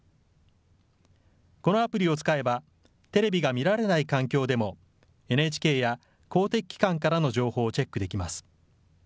このアプリを使えばテレビが見られない環境でもＮＨＫや公的機関からの情報をチェックできます。